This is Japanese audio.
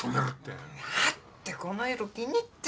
だってこの色気に入ってんだもん。